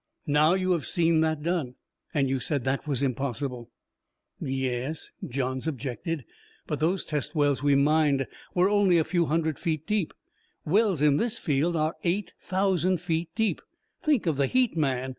"Now, you have seen that done. And you said that was impossible." "Yes," Johns objected, "but those test wells we mined were only a few hundred feet deep. Wells in this field are eight thousand feet deep! Think of the heat, man!